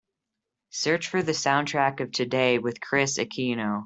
Search for the soundtrack of Today with Kris Aquino